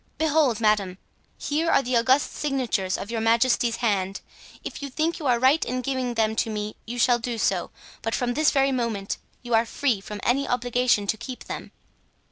Behold, madame! here are the august signatures of your majesty's hand; if you think you are right in giving them to me, you shall do so, but from this very moment you are free from any obligation to keep them."